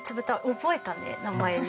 覚えたね名前ね。